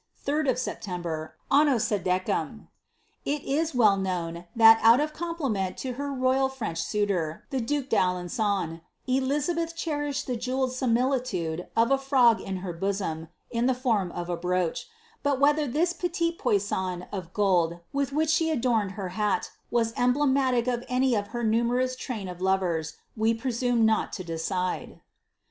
3d of September, anno Itt."* It is well known, that, out of compliment to her royal French suitor, the due d'Alen^on, Elizabeth cherished the jewelled similitude of a frog in her bosom, in the form of a brooch ; but whether this petil poiuoa of gold, with which she adorned her hat, was emblematical of any of her numerous train of lovers, we presume not to decide.